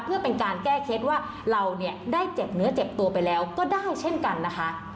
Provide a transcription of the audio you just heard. เพื่อเป็นการแก้เคล็ดว่าเราเนี่ยได้เจ็บเนื้อเจ็บตัวไปแล้วก็ได้เช่นกันนะคะ